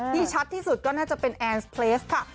ชัดที่สุดก็น่าจะเป็นแอนสเพลสค่ะ